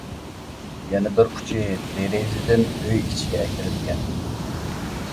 يەنە بىر ئۇچى دېرىزىدىن ئۆي ئىچىگە ئەكىرىلگەن.